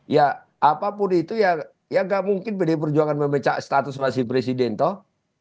ya apapun itu ya gak mungkin pdi perjuangan memecah status masih presiden toh